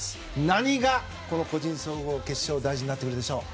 何がこの個人総合決勝大事になってくるでしょう。